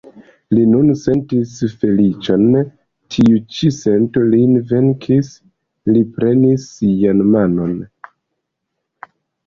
Li nun sentis feliĉon, tiu ĉi sento lin venkis, li prenis ŝian manon.